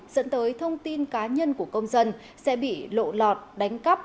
dẫn tới thông tin cá nhân của công dân sẽ bị lộ lọt đánh cắp